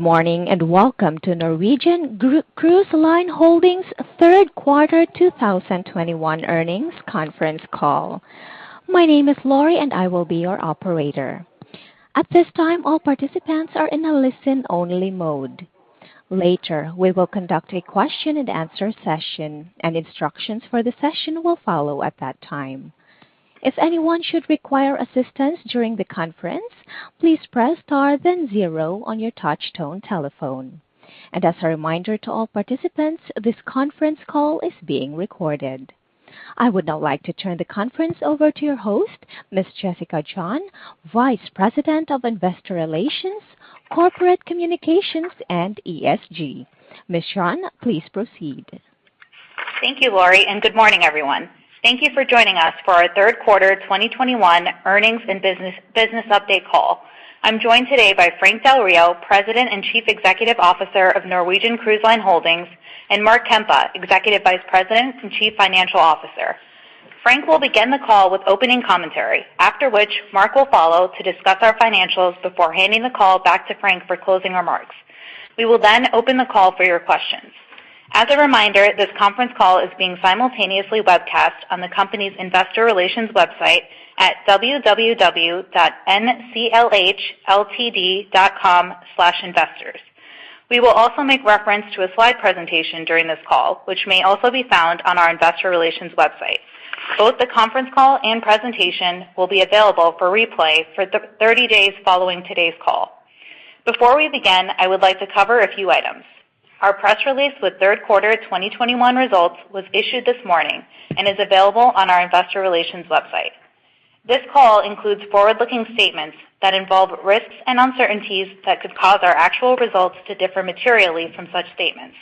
Good morning, and welcome to Norwegian Cruise Line Holdings Q3 2021 earnings conference call. My name is Laurie, and I will be your operator. At this time, all participants are in a listen-only mode. Later, we will conduct a question-and-answer session, and instructions for the session will follow at that time. If anyone should require assistance during the conference, please press *0 on your touchtone telephone. As a reminder to all participants, this conference call is being recorded. I would now like to turn the conference over to your host, Miss Jessica John, Vice President of Investor Relations, Corporate Communications and ESG. Miss John, please proceed. Thank you, Laurie, and good morning, everyone. Thank you for joining us for our third quarter 2021 earnings and business update call. I'm joined today by Frank Del Rio, President and Chief Executive Officer of Norwegian Cruise Line Holdings, and Mark Kempa, Executive Vice President and Chief Financial Officer. Frank will begin the call with opening commentary, after which Mark will follow to discuss our financials before handing the call back to Frank for closing remarks. We will then open the call for your questions. As a reminder, this conference call is being simultaneously webcast on the company's investor relations website at www.nclhltd.com/investors. We will also make reference to a slide presentation during this call, which may also be found on our investor relations website. Both the conference call and presentation will be available for replay for 30 days following today's call. Before we begin, I would like to cover a few items. Our press release with third quarter 2021 results was issued this morning and is available on our investor relations website. This call includes forward-looking statements that involve risks and uncertainties that could cause our actual results to differ materially from such statements.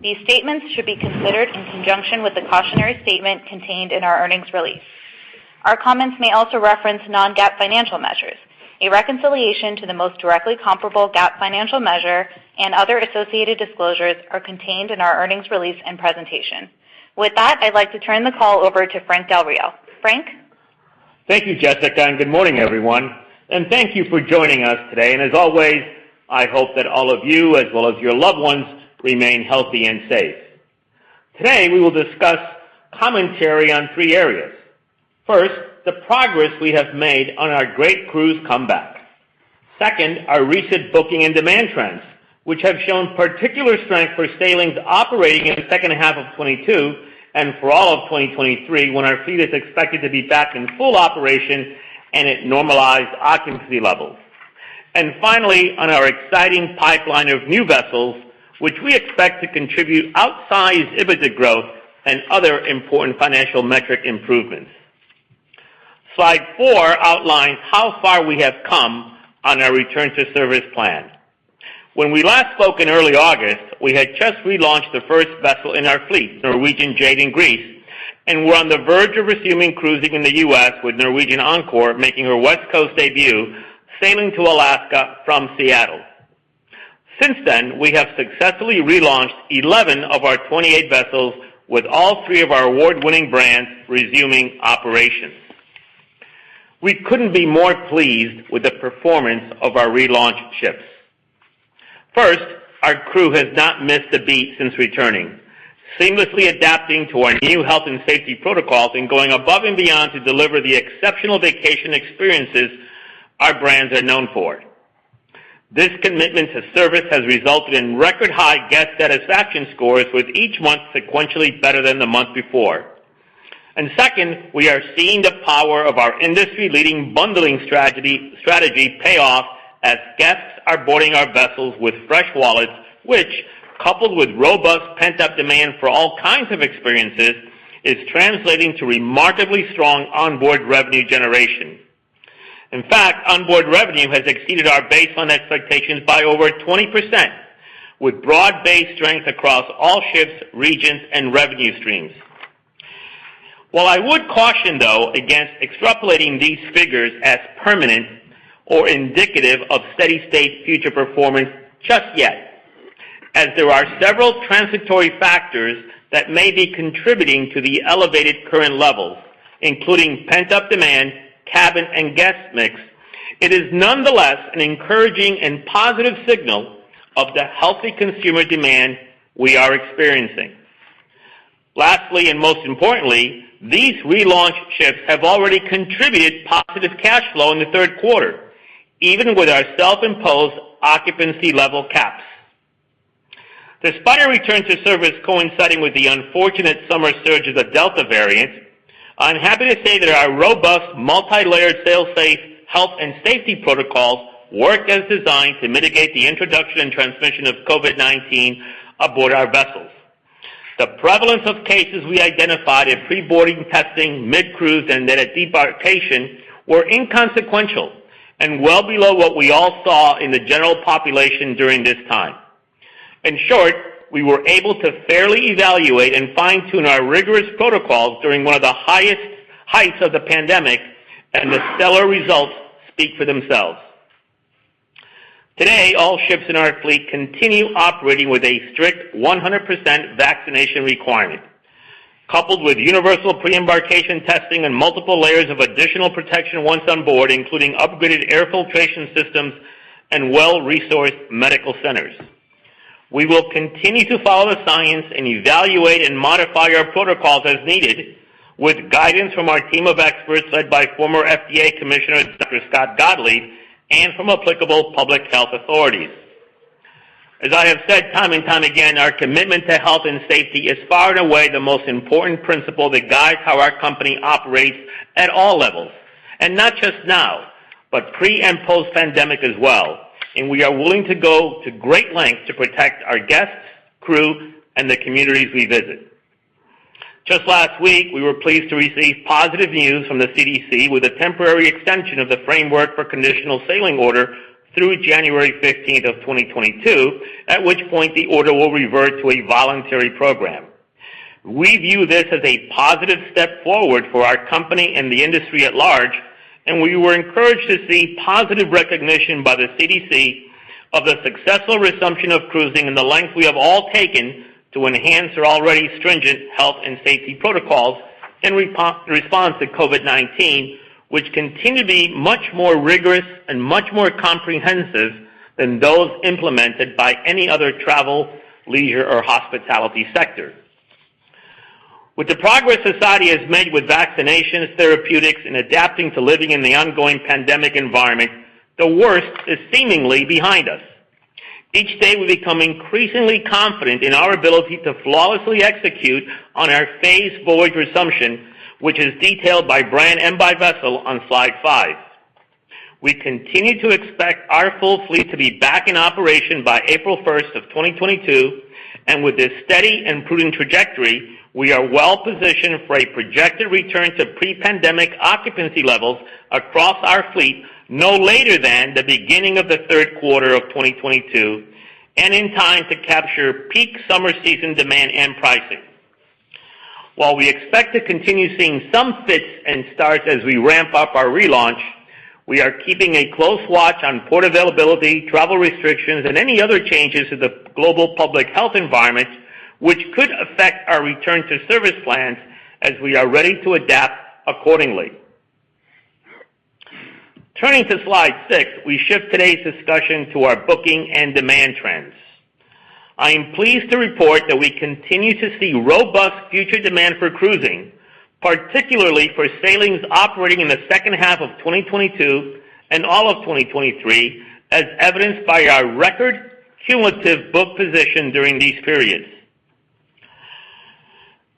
These statements should be considered in conjunction with the cautionary statement contained in our earnings release. Our comments may also reference non-GAAP financial measures. A reconciliation to the most directly comparable GAAP financial measure and other associated disclosures are contained in our earnings release and presentation. With that, I'd like to turn the call over to Frank Del Rio. Frank? Thank you, Jessica, and good morning, everyone. Thank you for joining us today. As always, I hope that all of you, as well as your loved ones, remain healthy and safe. Today, we will discuss commentary on three areas. First, the progress we have made on our great cruise comeback. Second, our recent booking and demand trends, which have shown particular strength for sailings operating in the second half of 2022 and for all of 2023, when our fleet is expected to be back in full operation and at normalized occupancy levels. Finally, on our exciting pipeline of new vessels, which we expect to contribute outsized EBITDA growth and other important financial metric improvements. Slide four outlines how far we have come on our return-to-service plan. When we last spoke in early August, we had just relaunched the first vessel in our fleet, Norwegian Jade in Greece, and were on the verge of resuming cruising in the U.S. with Norwegian Encore, making her West Coast debut, sailing to Alaska from Seattle. Since then, we have successfully relaunched 11 of our 28 vessels, with all three of our award-winning brands resuming operations. We couldn't be more pleased with the performance of our relaunched ships. First, our crew has not missed a beat since returning, seamlessly adapting to our new health and safety protocols and going above and beyond to deliver the exceptional vacation experiences our brands are known for. This commitment to service has resulted in record-high guest satisfaction scores, with each month sequentially better than the month before. Second, we are seeing the power of our industry-leading bundling strategy pay off as guests are boarding our vessels with fresh wallets, which, coupled with robust pent-up demand for all kinds of experiences, is translating to remarkably strong onboard revenue generation. In fact, onboard revenue has exceeded our baseline expectations by over 20%, with broad-based strength across all ships, regions, and revenue streams. While I would caution, though, against extrapolating these figures as permanent or indicative of steady-state future performance just yet, as there are several transitory factors that may be contributing to the elevated current levels, including pent-up demand, cabin, and guest mix. It is nonetheless an encouraging and positive signal of the healthy consumer demand we are experiencing. Lastly, and most importantly, these relaunched ships have already contributed positive cash flow in the third quarter, even with our self-imposed occupancy level caps. Despite our return to service coinciding with the unfortunate summer surge of the Delta variant, I'm happy to say that our robust, multi-layered SailSafe health and safety protocols work as designed to mitigate the introduction and transmission of COVID-19 aboard our vessels. The prevalence of cases we identified in pre-boarding testing, mid-cruise, and then at debarkation were inconsequential and well below what we all saw in the general population during this time. In short, we were able to fairly evaluate and fine-tune our rigorous protocols during one of the highest heights of the pandemic, and the stellar results speak for themselves. Today, all ships in our fleet continue operating with a strict 100% vaccination requirement, coupled with universal pre-embarkation testing and multiple layers of additional protection once on board, including upgraded air filtration systems and well-resourced medical centers. We will continue to follow the science and evaluate and modify our protocols as needed with guidance from our team of experts, led by former FDA commissioner Dr. Scott Gottlieb, and from applicable public health authorities. As I have said time and time again, our commitment to health and safety is far and away the most important principle that guides how our company operates at all levels. Not just now, but pre and post-pandemic as well. We are willing to go to great lengths to protect our guests, crew, and the communities we visit. Just last week, we were pleased to receive positive news from the CDC with a temporary extension of the Framework for Conditional Sailing Order through January 15, 2022, at which point the order will revert to a voluntary program. We view this as a positive step forward for our company and the industry at large, and we were encouraged to see positive recognition by the CDC of the successful resumption of cruising and the length we have all taken to enhance our already stringent health and safety protocols in response to COVID-19, which continue to be much more rigorous and much more comprehensive than those implemented by any other travel, leisure, or hospitality sector. With the progress society has made with vaccinations, therapeutics, and adapting to living in the ongoing pandemic environment, the worst is seemingly behind us. Each day, we become increasingly confident in our ability to flawlessly execute on our phased forward resumption, which is detailed by brand and by vessel on slide five. We continue to expect our full fleet to be back in operation by April 1, 2022, and with this steady improving trajectory, we are well-positioned for a projected return to pre-pandemic occupancy levels across our fleet, no later than the beginning of the third quarter of 2022, and in time to capture peak summer season demand and pricing. While we expect to continue seeing some fits and starts as we ramp up our relaunch, we are keeping a close watch on port availability, travel restrictions, and any other changes to the global public health environment which could affect our return to service plans as we are ready to adapt accordingly. Turning to slide 6, we shift today's discussion to our booking and demand trends. I am pleased to report that we continue to see robust future demand for cruising, particularly for sailings operating in the second half of 2022 and all of 2023, as evidenced by our record cumulative book position during these periods.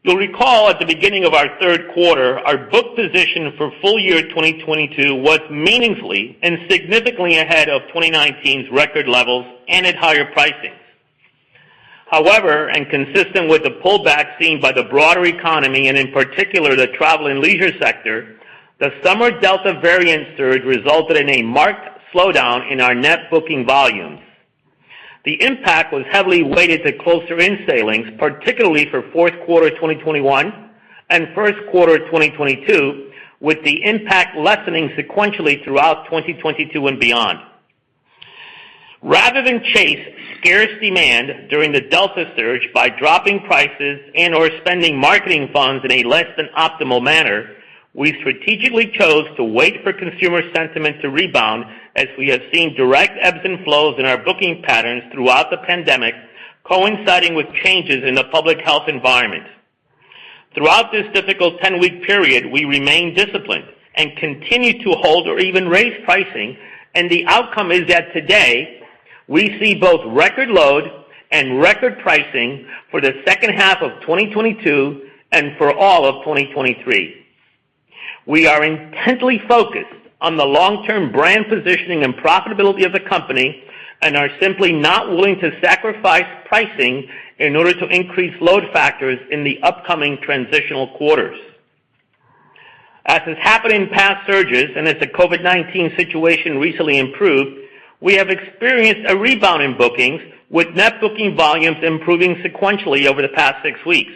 You'll recall at the beginning of our third quarter, our book position for full year 2022 was meaningfully and significantly ahead of 2019's record levels and at higher pricing. However, and consistent with the pullback seen by the broader economy and in particular, the travel and leisure sector, the summer Delta variant surge resulted in a marked slowdown in our net booking volumes. The impact was heavily weighted to closer-in sailings, particularly for fourth quarter 2021 and first quarter 2022, with the impact lessening sequentially throughout 2022 and beyond. Rather than chase scarce demand during the Delta surge by dropping prices and/or spending marketing funds in a less than optimal manner, we strategically chose to wait for consumer sentiment to rebound as we have seen direct ebbs and flows in our booking patterns throughout the pandemic coinciding with changes in the public health environment. Throughout this difficult 10-week period, we remained disciplined and continued to hold or even raise pricing, and the outcome is that today, we see both record load and record pricing for the second half of 2022 and for all of 2023. We are intently focused on the long-term brand positioning and profitability of the company and are simply not willing to sacrifice pricing in order to increase load factors in the upcoming transitional quarters. As has happened in past surges and as the COVID-19 situation recently improved, we have experienced a rebound in bookings with net booking volumes improving sequentially over the past six weeks.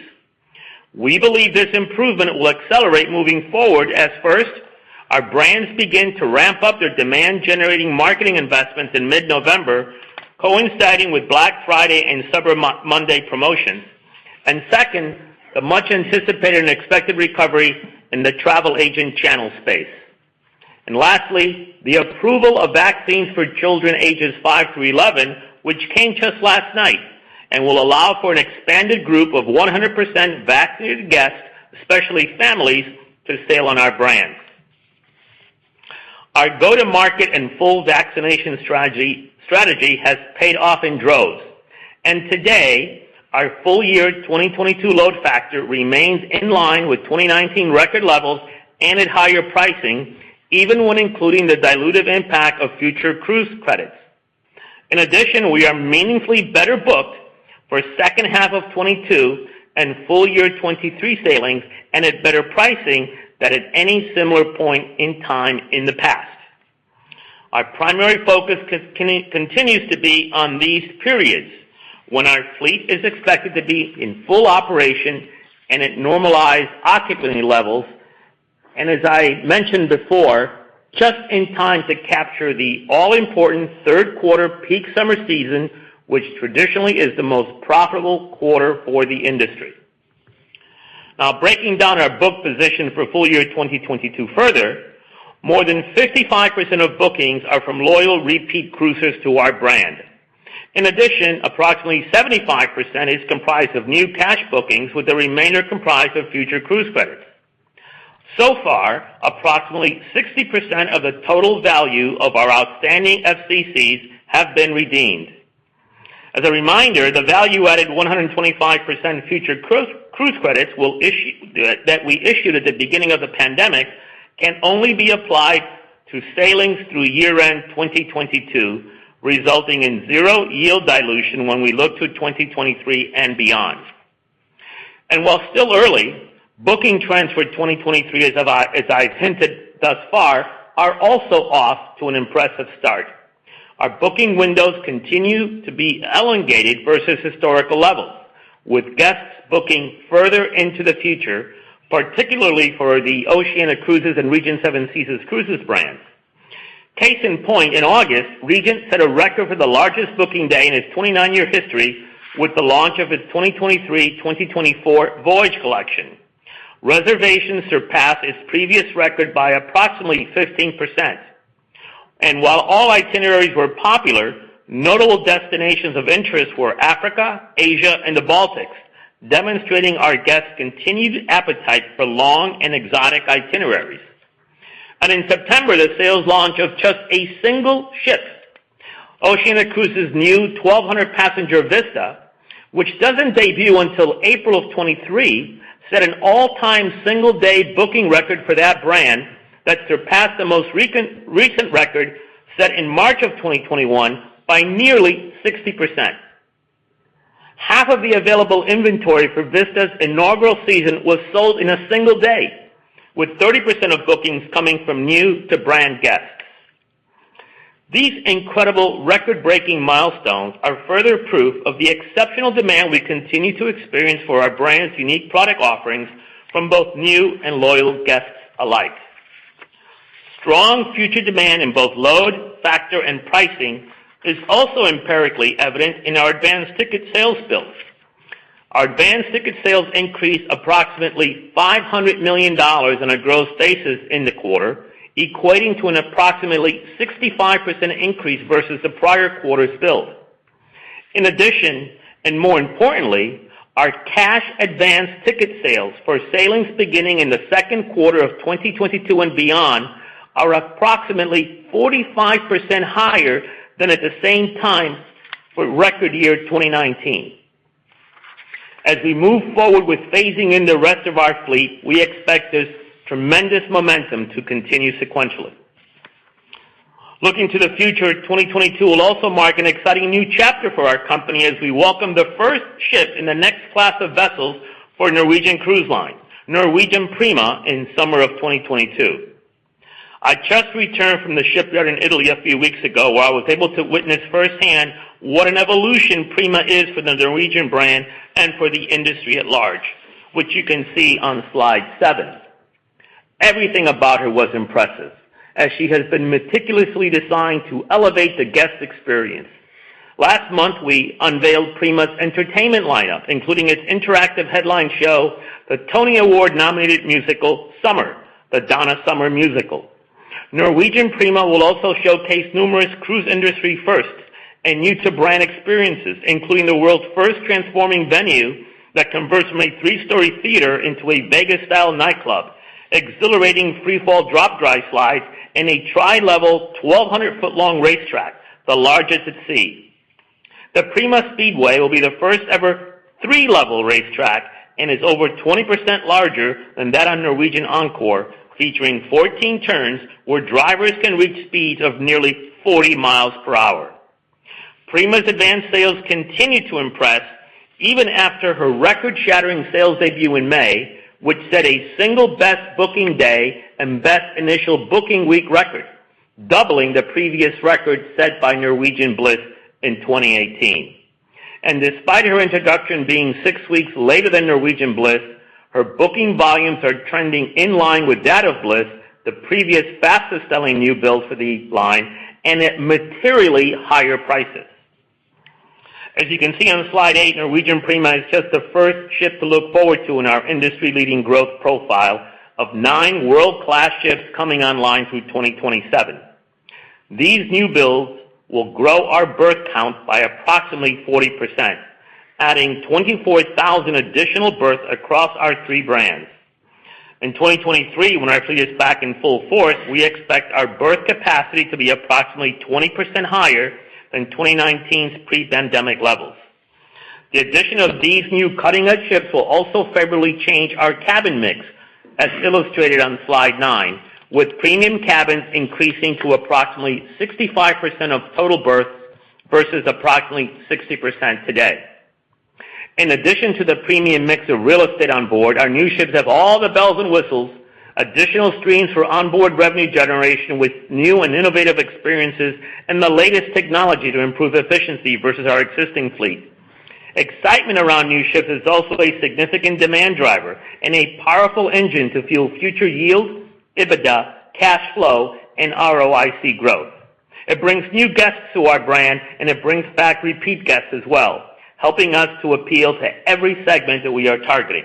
We believe this improvement will accelerate moving forward as first, our brands begin to ramp up their demand-generating marketing investments in mid-November, coinciding with Black Friday and Cyber Monday promotions, second, the much-anticipated and expected recovery in the travel agent channel space, lastly, the approval of vaccines for children ages 5 to 11, which came just last night, and will allow for an expanded group of 100% vaccinated guests, especially families, to sail on our brands. Our go-to-market and full vaccination strategy has paid off in droves. Today, our full year 2022 load factor remains in line with 2019 record levels and at higher pricing, even when including the dilutive impact of future cruise credits. In addition, we are meaningfully better booked for second half of 2022 and full year 2023 sailings and at better pricing than at any similar point in time in the past. Our primary focus continues to be on these periods when our fleet is expected to be in full operation and at normalized occupancy levels. As I mentioned before, just in time to capture the all-important third quarter peak summer season, which traditionally is the most profitable quarter for the industry. Now breaking down our book position for full year 2022 further, more than 55% of bookings are from loyal repeat cruisers to our brand. In addition, approximately 75% is comprised of new cash bookings, with the remainder comprised of future cruise credits. So far, approximately 60% of the total value of our outstanding FCCs have been redeemed. As a reminder, the value-added 125% future cruise credits that we issued at the beginning of the pandemic can only be applied to sailings through year-end 2022, resulting in zero yield dilution when we look to 2023 and beyond. While still early, booking trends for 2023, as I hinted thus far, are also off to an impressive start. Our booking windows continue to be elongated versus historical levels, with guests booking further into the future, particularly for the Oceania Cruises and Regent Seven Seas Cruises brands. Case in point, in August, Regent set a record for the largest booking day in its 29-year history with the launch of its 2023/2024 voyage collection. Reservations surpassed its previous record by approximately 15%. While all itineraries were popular, notable destinations of interest were Africa, Asia, and the Baltics, demonstrating our guests' continued appetite for long and exotic itineraries. In September, the sales launch of just a single ship, Oceania Cruises' new 1,200-passenger Vista, which doesn't debut until April 2023, set an all-time single-day booking record for that brand that surpassed the most recent record set in March 2021 by nearly 60%. Half of the available inventory for Vista's inaugural season was sold in a single day, with 30% of bookings coming from new-to-brand guests. These incredible record-breaking milestones are further proof of the exceptional demand we continue to experience for our brands' unique product offerings from both new and loyal guests alike. Strong future demand in both load factor and pricing is also empirically evident in our advanced ticket sales build. Our advanced ticket sales increased approximately $500 million on a growth basis in the quarter, equating to an approximately 65% increase versus the prior quarter's build. In addition, and more importantly, our cash advanced ticket sales for sailings beginning in the second quarter of 2022 and beyond are approximately 45% higher than at the same time for record year 2019. As we move forward with phasing in the rest of our fleet, we expect this tremendous momentum to continue sequentially. Looking to the future, 2022 will also mark an exciting new chapter for our company as we welcome the first ship in the next class of vessels for Norwegian Cruise Line, Norwegian Prima, in summer of 2022. I just returned from the shipyard in Italy a few weeks ago, where I was able to witness firsthand what an evolution Prima is for the Norwegian brand and for the industry at large, which you can see on slide 7. Everything about her was impressive, as she has been meticulously designed to elevate the guest experience. Last month, we unveiled Prima's entertainment lineup, including its interactive headline show, the Tony Award-nominated musical Summer: The Donna Summer Musical. Norwegian Prima will also showcase numerous cruise industry firsts and new-to-brand experiences, including the world's first transforming venue that converts from a three-story theater into a Vegas-style nightclub, exhilarating free-fall drop dry slides, and a tri-level 1,200-foot-long racetrack, the largest at sea. The Prima Speedway will be the first-ever three-level racetrack and is over 20% larger than that on Norwegian Encore, featuring 14 turns where drivers can reach speeds of nearly 40 miles per hour. Prima's advanced sales continue to impress even after her record-shattering sales debut in May, which set a single best booking day and best initial booking week record, doubling the previous record set by Norwegian Bliss in 2018. Despite her introduction being 6 weeks later than Norwegian Bliss, her booking volumes are trending in line with that of Bliss, the previous fastest-selling new build for the line, and at materially higher prices. As you can see on slide 8, Norwegian Prima is just the first ship to look forward to in our industry-leading growth profile of 9 world-class ships coming online through 2027. These new builds will grow our berth count by approximately 40%, adding 24,000 additional berths across our three brands. In 2023, when our fleet is back in full force, we expect our berth capacity to be approximately 20% higher than 2019's pre-pandemic levels. The addition of these new cutting-edge ships will also favorably change our cabin mix, as illustrated on slide 9, with premium cabins increasing to approximately 65% of total berths versus approximately 60% today. In addition to the premium mix of real estate on board, our new ships have all the bells and whistles, additional streams for onboard revenue generation with new and innovative experiences, and the latest technology to improve efficiency versus our existing fleet. Excitement around new ships is also a significant demand driver and a powerful engine to fuel future yield, EBITDA, cash flow, and ROIC growth. It brings new guests to our brand, and it brings back repeat guests as well, helping us to appeal to every segment that we are targeting.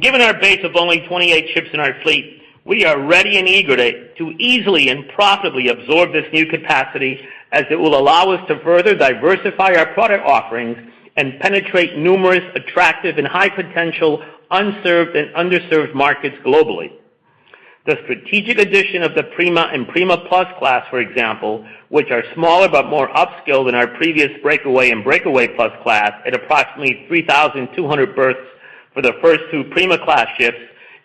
Given our base of only 28 ships in our fleet, we are ready and eager to easily and profitably absorb this new capacity as it will allow us to further diversify our product offerings and penetrate numerous attractive and high-potential unserved and underserved markets globally. The strategic addition of the Prima Class and Prima Plus Class, for example, which are smaller but more upscale than our previous Breakaway and Breakaway Plus Class at approximately 3,200 berths for the first two Prima Class ships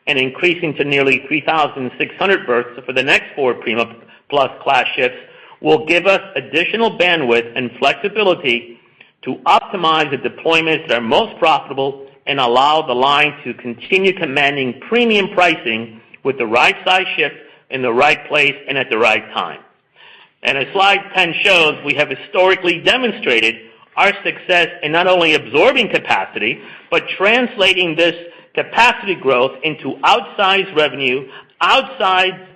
and increasing to nearly 3,600 berths for the next four Prima Plus Class ships, will give us additional bandwidth and flexibility to optimize the deployments that are most profitable and allow the line to continue commanding premium pricing with the right size ship in the right place and at the right time. As slide 10 shows, we have historically demonstrated our success in not only absorbing capacity but translating this capacity growth into outsized revenue, outsized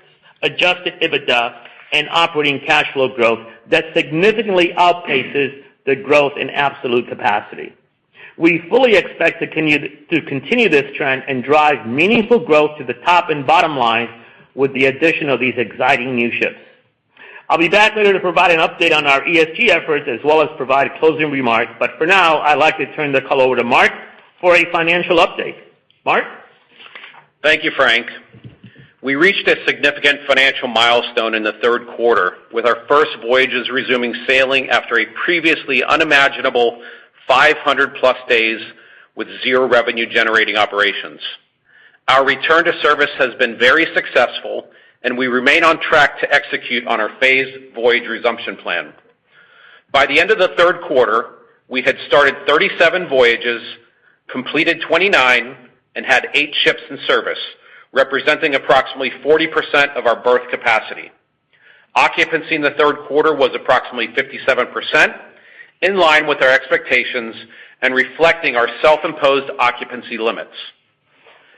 adjusted EBITDA, and operating cash flow growth that significantly outpaces the growth in absolute capacity. We fully expect to continue this trend and drive meaningful growth to the top and bottom line with the addition of these exciting new ships. I'll be back later to provide an update on our ESG efforts as well as provide closing remarks, but for now, I'd like to turn the call over to Mark for a financial update. Mark? Thank you, Frank. We reached a significant financial milestone in the third quarter with our first voyages resuming sailing after a previously unimaginable 500+ days with zero revenue-generating operations. Our return to service has been very successful, and we remain on track to execute on our phased voyage resumption plan. By the end of the third quarter, we had started 37 voyages, completed 29, and had 8 ships in service, representing approximately 40% of our berth capacity. Occupancy in the third quarter was approximately 57%, in line with our expectations and reflecting our self-imposed occupancy limits.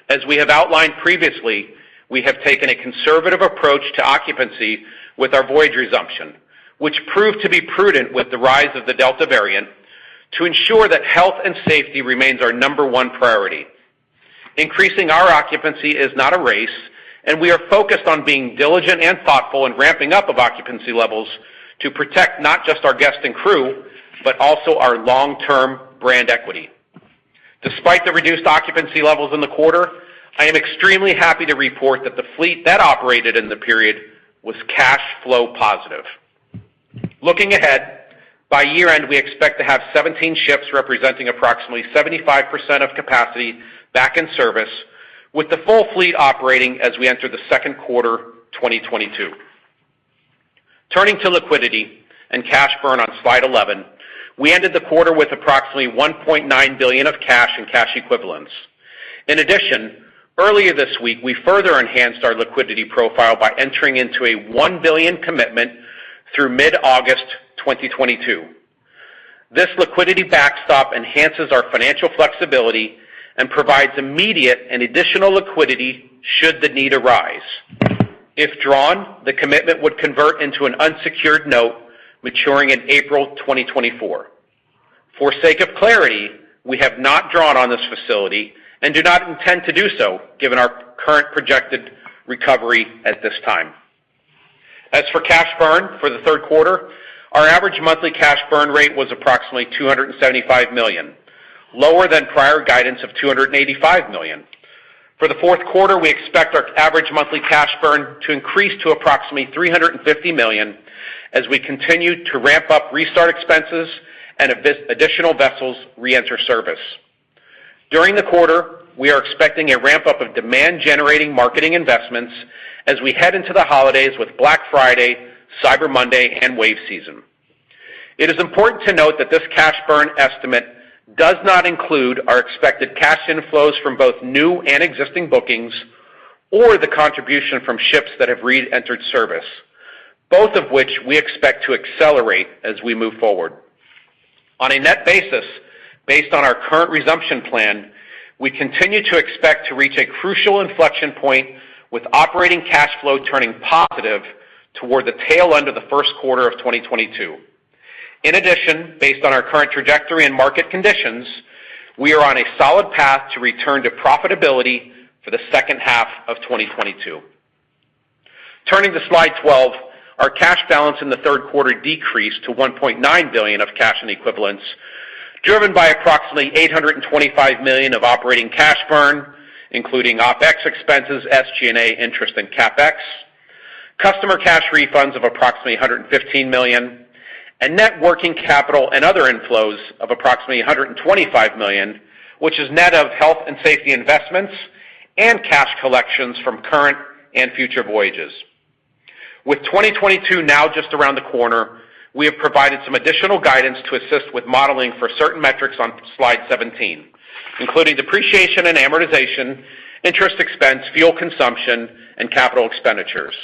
As we have outlined previously, we have taken a conservative approach to occupancy with our voyage resumption, which proved to be prudent with the rise of the Delta variant to ensure that health and safety remains our number one priority. Increasing our occupancy is not a race, and we are focused on being diligent and thoughtful in ramping up of occupancy levels to protect not just our guests and crew, but also our long-term brand equity. Despite the reduced occupancy levels in the quarter, I am extremely happy to report that the fleet that operated in the period was cash flow positive. Looking ahead, by year-end, we expect to have 17 ships representing approximately 75% of capacity back in service, with the full fleet operating as we enter the second quarter 2022. Turning to liquidity and cash burn on slide 11, we ended the quarter with approximately 1.9 billion of cash and cash equivalents. In addition, earlier this week, we further enhanced our liquidity profile by entering into a 1 billion commitment through mid-August 2022. This liquidity backstop enhances our financial flexibility and provides immediate and additional liquidity should the need arise. If drawn, the commitment would convert into an unsecured note maturing in April 2024. For sake of clarity, we have not drawn on this facility and do not intend to do so given our current projected recovery at this time. As for cash burn for the third quarter, our average monthly cash burn rate was approximately 275 million, lower than prior guidance of 285 million. For the fourth quarter, we expect our average monthly cash burn to increase to approximately 350 million as we continue to ramp up restart expenses and additional vessels reenter service. During the quarter, we are expecting a ramp-up of demand-generating marketing investments as we head into the holidays with Black Friday, Cyber Monday, and Wave season. It is important to note that this cash burn estimate does not include our expected cash inflows from both new and existing bookings or the contribution from ships that have re-entered service, both of which we expect to accelerate as we move forward. On a net basis, based on our current resumption plan, we continue to expect to reach a crucial inflection point with operating cash flow turning positive toward the tail end of the first quarter of 2022. In addition, based on our current trajectory and market conditions, we are on a solid path to return to profitability for the second half of 2022. Turning to slide 12, our cash balance in the third quarter decreased to 1.9 billion of cash and cash equivalents, driven by approximately 825 million of operating cash burn, including OpEx expenses, SG&A interest, and CapEx, customer cash refunds of approximately 115 million, and net working capital and other inflows of approximately 125 million, which is net of health and safety investments and cash collections from current and future voyages. With 2022 now just around the corner, we have provided some additional guidance to assist with modeling for certain metrics on slide 17, including depreciation and amortization, interest expense, fuel consumption, and capital expenditures.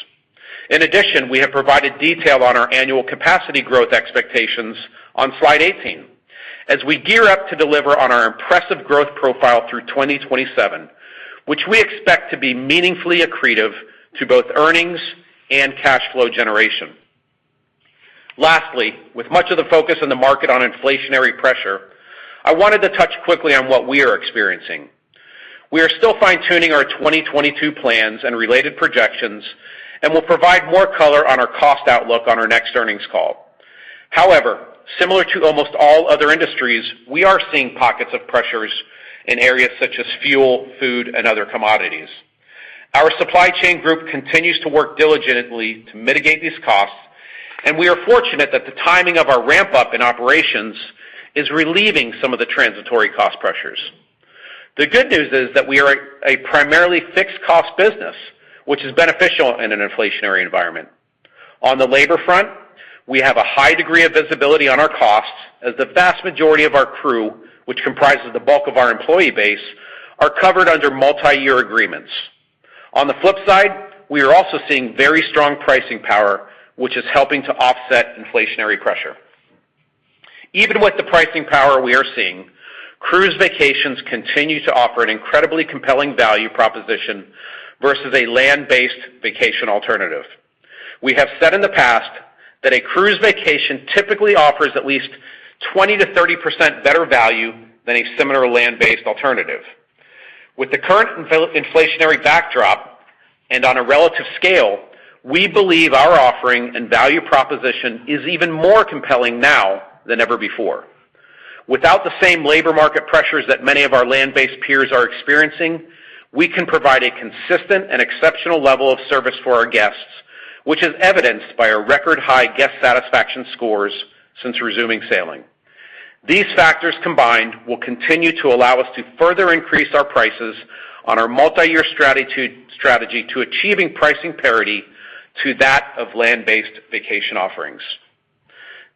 In addition, we have provided detail on our annual capacity growth expectations on slide 18 as we gear up to deliver on our impressive growth profile through 2027, which we expect to be meaningfully accretive to both earnings and cash flow generation. Lastly, with much of the focus on the market on inflationary pressure, I wanted to touch quickly on what we are experiencing. We are still fine-tuning our 2022 plans and related projections, and we'll provide more color on our cost outlook on our next earnings call. However, similar to almost all other industries, we are seeing pockets of pressures in areas such as fuel, food, and other commodities. Our supply chain group continues to work diligently to mitigate these costs, and we are fortunate that the timing of our ramp-up in operations is relieving some of the transitory cost pressures. The good news is that we are a primarily fixed-cost business, which is beneficial in an inflationary environment. On the labor front, we have a high degree of visibility on our costs as the vast majority of our crew, which comprises the bulk of our employee base, are covered under multi-year agreements. On the flip side, we are also seeing very strong pricing power, which is helping to offset inflationary pressure. Even with the pricing power we are seeing, cruise vacations continue to offer an incredibly compelling value proposition versus a land-based vacation alternative. We have said in the past that a cruise vacation typically offers at least 20-30% better value than a similar land-based alternative. With the current inflationary backdrop and on a relative scale, we believe our offering and value proposition is even more compelling now than ever before. Without the same labor market pressures that many of our land-based peers are experiencing, we can provide a consistent and exceptional level of service for our guests, which is evidenced by our record-high guest satisfaction scores since resuming sailing. These factors combined will continue to allow us to further increase our prices on our multi-year strategy to achieving pricing parity to that of land-based vacation offerings.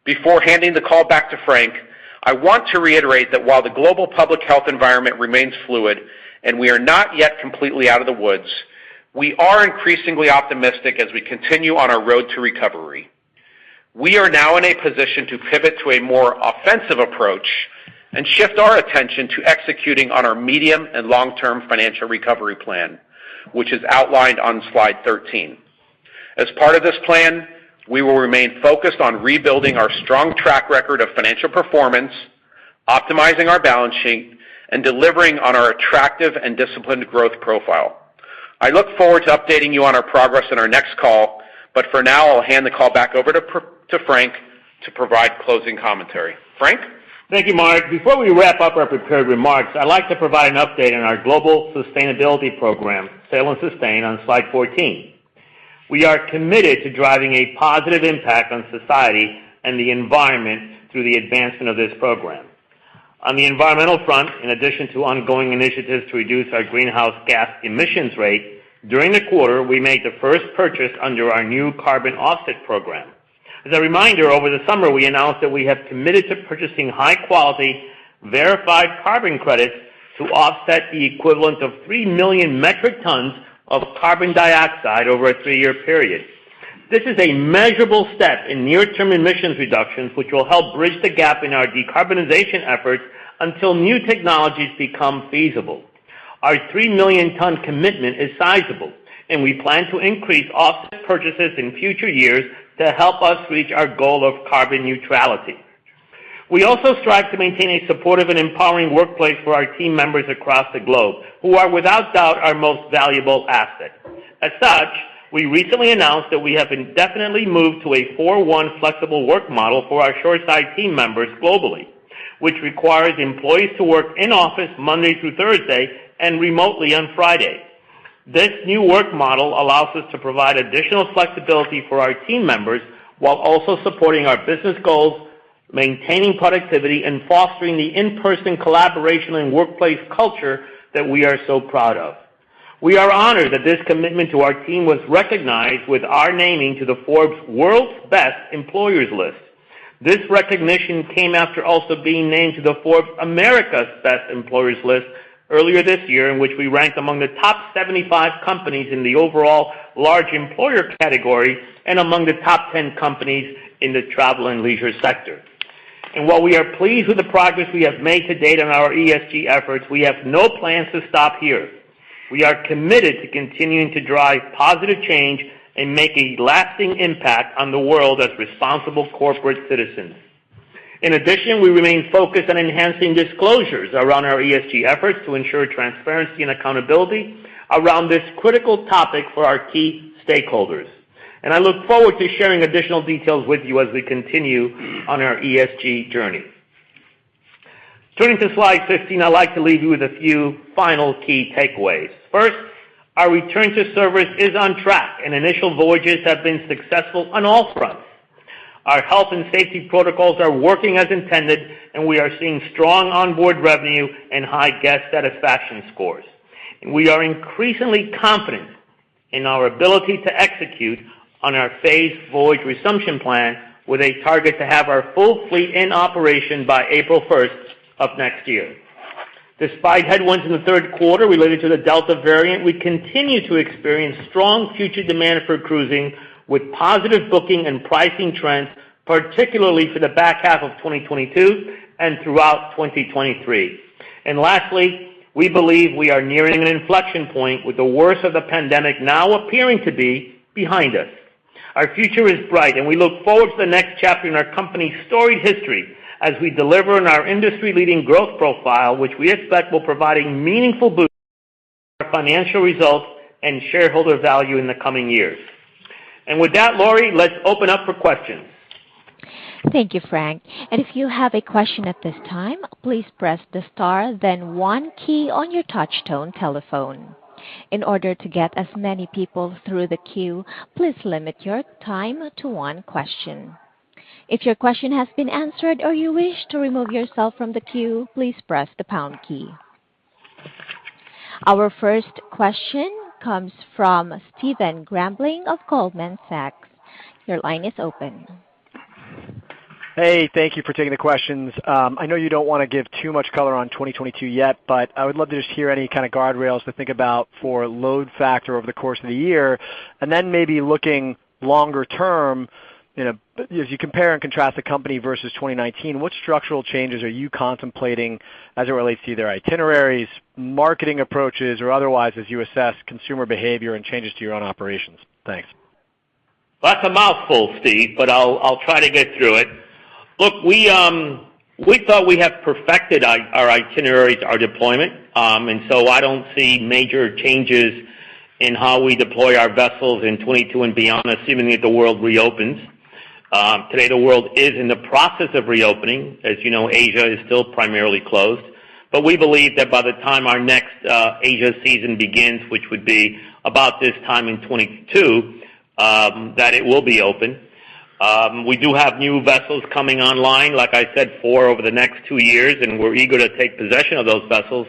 Before handing the call back to Frank, I want to reiterate that while the global public health environment remains fluid and we are not yet completely out of the woods, we are increasingly optimistic as we continue on our road to recovery. We are now in a position to pivot to a more offensive approach and shift our attention to executing on our medium and long-term financial recovery plan, which is outlined on slide 13. As part of this plan, we will remain focused on rebuilding our strong track record of financial performance, optimizing our balance sheet, and delivering on our attractive and disciplined growth profile. I look forward to updating you on our progress in our next call, but for now, I'll hand the call back over to Frank to provide closing commentary. Frank? Thank you, Mark. Before we wrap up our prepared remarks, I'd like to provide an update on our global sustainability program, Sail and Sustain, on slide 14. We are committed to driving a positive impact on society and the environment through the advancement of this program. On the environmental front, in addition to ongoing initiatives to reduce our greenhouse gas emissions rate, during the quarter, we made the first purchase under our new carbon offset program. As a reminder, over the summer, we announced that we have committed to purchasing high-quality, verified carbon credits to offset the equivalent of 3 million metric tons of carbon dioxide over a 3-year period. This is a measurable step in near-term emissions reductions, which will help bridge the gap in our decarbonization efforts until new technologies become feasible. Our 3-million-ton commitment is sizable, and we plan to increase offset purchases in future years to help us reach our goal of carbon neutrality. We also strive to maintain a supportive and empowering workplace for our team members across the globe, who are, without doubt, our most valuable asset. As such, we recently announced that we have indefinitely moved to a 4-1 flexible work model for our shoreside team members globally, which requires employees to work in office Monday through Thursday and remotely on Friday. This new work model allows us to provide additional flexibility for our team members while also supporting our business goals, maintaining productivity, and fostering the in-person collaboration and workplace culture that we are so proud of. We are honored that this commitment to our team was recognized with our naming to the Forbes World's Best Employers list. This recognition came after also being named to the Forbes America's Best Large Employers list earlier this year, in which we ranked among the top 75 companies in the overall large employer category and among the top 10 companies in the travel and leisure sector. While we are pleased with the progress we have made to date on our ESG efforts, we have no plans to stop here. We are committed to continuing to drive positive change and make a lasting impact on the world as responsible corporate citizens. In addition, we remain focused on enhancing disclosures around our ESG efforts to ensure transparency and accountability around this critical topic for our key stakeholders. I look forward to sharing additional details with you as we continue on our ESG journey. Turning to slide 15, I'd like to leave you with a few final key takeaways. First, our return to service is on track, and initial voyages have been successful on all fronts. Our health and safety protocols are working as intended, and we are seeing strong onboard revenue and high guest satisfaction scores. We are increasingly confident in our ability to execute on our phased voyage resumption plan with a target to have our full fleet in operation by April first of next year. Despite headwinds in the third quarter related to the Delta variant, we continue to experience strong future demand for cruising with positive booking and pricing trends, particularly for the back half of 2022 and throughout 2023. Lastly, we believe we are nearing an inflection point with the worst of the pandemic now appearing to be behind us. Our future is bright, and we look forward to the next chapter in our company's storied history as we deliver on our industry-leading growth profile, which we expect will provide a meaningful boost to our financial results and shareholder value in the coming years. With that, Laurie, let's open up for questions. Thank you, Frank. If you have a question at this time, please press the * then 1 key on your touchtone telephone. In order to get as many people through the queue, please limit your time to one question. If your question has been answered or you wish to remove yourself from the queue, please press the pound key. Our first question comes from Stephen Grambling of Goldman Sachs. Your line is open. Hey, thank you for taking the questions. I know you don't wanna give too much color on 2022 yet, but I would love to just hear any kind of guardrails to think about for load factor over the course of the year. Maybe looking longer term, you know, as you compare and contrast the company versus 2019, what structural changes are you contemplating as it relates to their itineraries, marketing approaches or otherwise as you assess consumer behavior and changes to your own operations? Thanks. That's a mouthful, Steve, but I'll try to get through it. Look, we thought we have perfected our itineraries, our deployment, and so I don't see major changes in how we deploy our vessels in 2022 and beyond, assuming that the world reopens. Today the world is in the process of reopening. As you know, Asia is still primarily closed. We believe that by the time our next Asia season begins, which would be about this time in 2022, that it will be open. We do have new vessels coming online, like I said, 4 over the next 2 years, and we're eager to take possession of those vessels.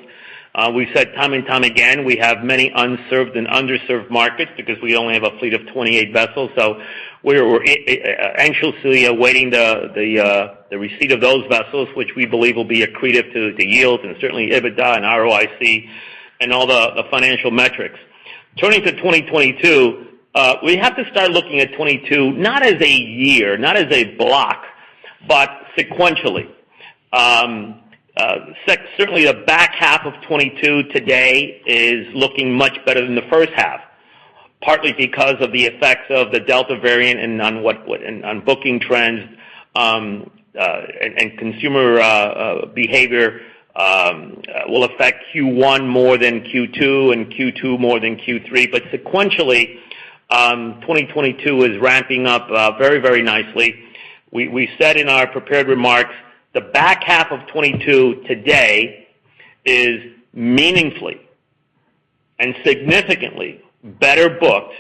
We've said time and time again, we have many unserved and underserved markets because we only have a fleet of 28 vessels. We're anxiously awaiting the receipt of those vessels, which we believe will be accretive to yields and certainly EBITDA and ROIC and all the financial metrics. Turning to 2022, we have to start looking at 2022, not as a year, not as a block, but sequentially. Certainly the back half of 2022 today is looking much better than the first half, partly because of the effects of the Delta variant and on booking trends and consumer behavior will affect Q1 more than Q2 and Q2 more than Q3. Sequentially, 2022 is ramping up very nicely. We said in our prepared remarks, the back half of 2022 today is meaningfully and significantly better booked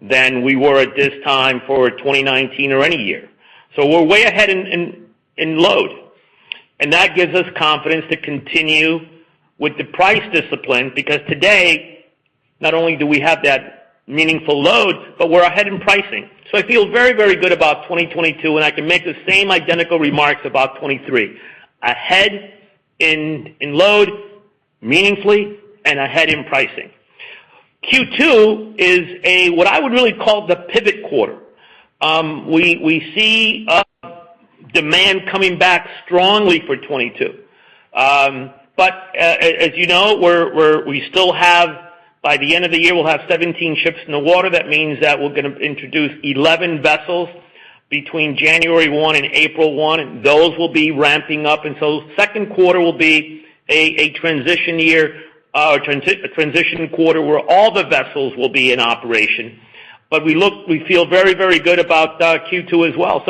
than we were at this time for 2019 or any year. We're way ahead in load, and that gives us confidence to continue with the price discipline because today, not only do we have that meaningful load, but we're ahead in pricing. I feel very good about 2022, and I can make the same identical remarks about 2023. Ahead in load meaningfully and ahead in pricing. Q2 is what I would really call the pivot quarter. We see demand coming back strongly for 2022. As you know, we still have, by the end of the year, we'll have 17 ships in the water. That means that we're gonna introduce 11 vessels between January 1 and April 1, and those will be ramping up. Second quarter will be a transition quarter where all the vessels will be in operation. We feel very, very good about Q2 as well.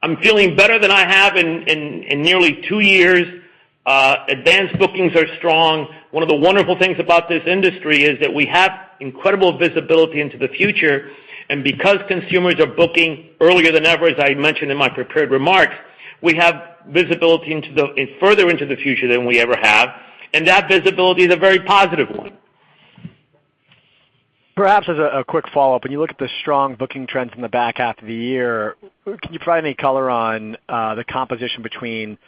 I'm feeling better than I have in nearly 2 years. Advanced bookings are strong. One of the wonderful things about this industry is that we have incredible visibility into the future. Because consumers are booking earlier than ever, as I mentioned in my prepared remarks, we have visibility further into the future than we ever have, and that visibility is a very positive one. Perhaps as a quick follow-up, when you look at the strong booking trends in the back half of the year, can you provide any color on the composition between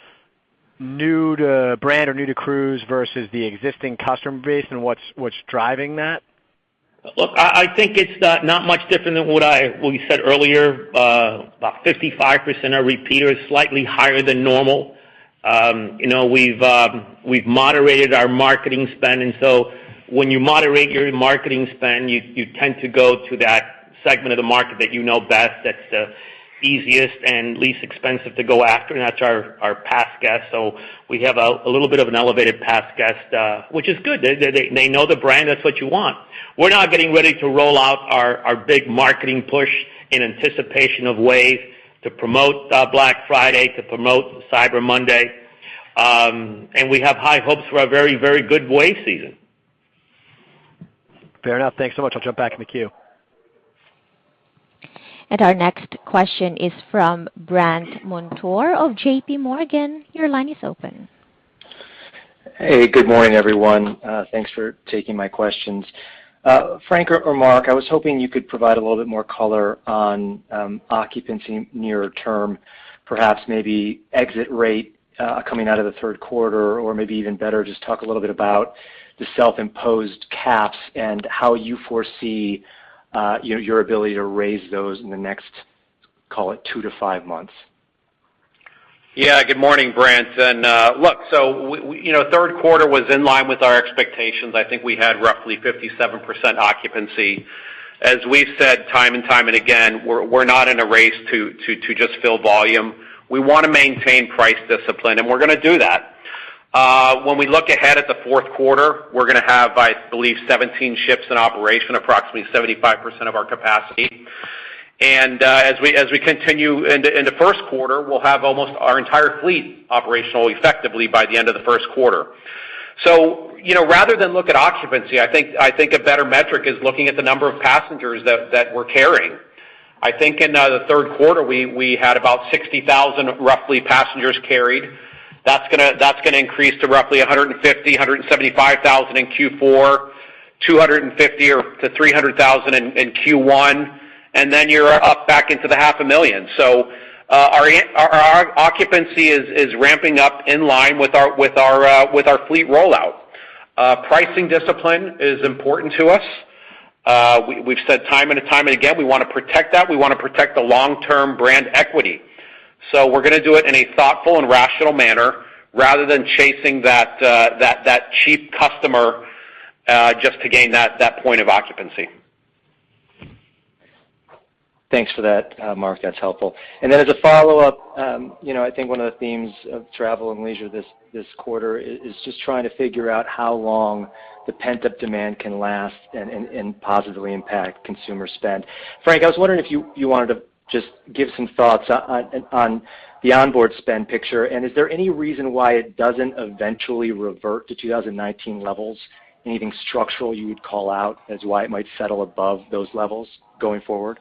new to brand or new to cruise versus the existing customer base and what's driving that? Look, I think it's not much different than what we said earlier. About 55% are repeaters, slightly higher than normal. You know, we've moderated our marketing spend, and so when you moderate your marketing spend, you tend to go to that segment of the market that you know best, that's the easiest and least expensive to go after. That's our past guests. We have a little bit of an elevated past guest, which is good. They know the brand. That's what you want. We're now getting ready to roll out our big marketing push in anticipation of Wave to promote Black Friday, to promote Cyber Monday. We have high hopes for a very good Wave season. Fair enough. Thanks so much. I'll jump back in the queue. Our next question is from Brandt Montour of J.P. Morgan. Your line is open. Hey, good morning, everyone. Thanks for taking my questions. Frank or Mark, I was hoping you could provide a little bit more color on occupancy near term, perhaps maybe exit rate coming out of the third quarter, or maybe even better, just talk a little bit about the self-imposed caps and how you foresee you know your ability to raise those in the next, call it 2-5 months. Good morning, Brandt. Look, we, you know, third quarter was in line with our expectations. I think we had roughly 57% occupancy. As we've said time and time again, we're not in a race to just fill volume. We wanna maintain price discipline, and we're gonna do that. When we look ahead at the fourth quarter, we're gonna have, I believe, 17 ships in operation, approximately 75% of our capacity. As we continue into first quarter, we'll have almost our entire fleet operational effectively by the end of the first quarter. You know, rather than look at occupancy, I think a better metric is looking at the number of passengers that we're carrying. I think in the third quarter, we had about 60,000 roughly passengers carried. That's gonna increase to roughly 150,000-175,000 in Q4, 250,000-300,000 in Q1, and then you're up back into 500,000. Our occupancy is ramping up in line with our fleet rollout. Pricing discipline is important to us. We've said time and time again, we wanna protect that. We wanna protect the long-term brand equity. We're gonna do it in a thoughtful and rational manner rather than chasing that cheap customer just to gain that point of occupancy. Thanks for that, Mark. That's helpful. Then as a follow-up, you know, I think one of the themes of Travel & Leisure this quarter is just trying to figure out how long the pent-up demand can last and positively impact consumer spend. Frank, I was wondering if you wanted to just give some thoughts on the onboard spend picture, and is there any reason why it doesn't eventually revert to 2019 levels? Anything structural you would call out as why it might settle above those levels going forward?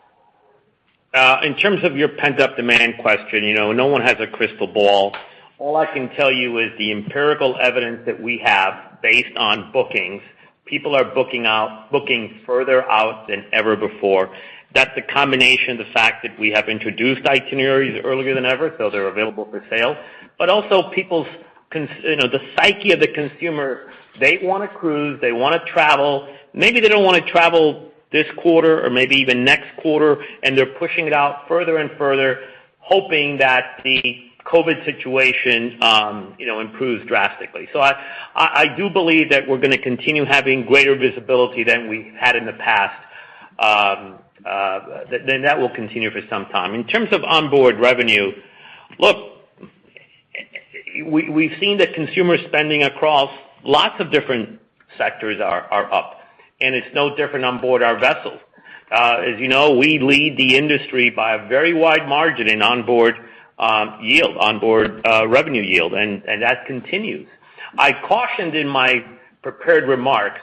In terms of your pent-up demand question, you know, no one has a crystal ball. All I can tell you is the empirical evidence that we have based on bookings. People are booking out, booking further out than ever before. That's a combination of the fact that we have introduced itineraries earlier than ever, so they're available for sale. Also people's you know, the psyche of the consumer, they wanna cruise, they wanna travel. Maybe they don't wanna travel this quarter or maybe even next quarter, and they're pushing it out further and further, hoping that the COVID situation, you know, improves drastically. I do believe that we're gonna continue having greater visibility than we had in the past. That will continue for some time. In terms of onboard revenue, we've seen that consumer spending across lots of different sectors are up, and it's no different on board our vessels. As you know, we lead the industry by a very wide margin in onboard yield, onboard revenue yield, and that continues. I cautioned in my prepared remarks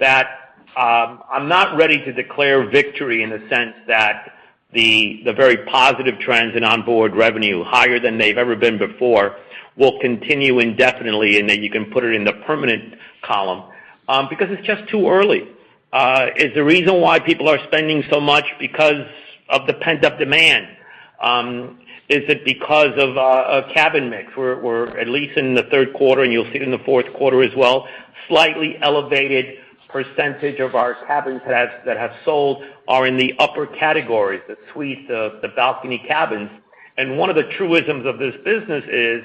that I'm not ready to declare victory in the sense that the very positive trends in onboard revenue, higher than they've ever been before, will continue indefinitely and that you can put it in the permanent column, because it's just too early. Is the reason why people are spending so much because of the pent-up demand? Is it because of a cabin mix? We're at least in the third quarter, and you'll see it in the fourth quarter as well, slightly elevated percentage of our cabins that have sold are in the upper categories, the suites, the balcony cabins. One of the truisms of this business is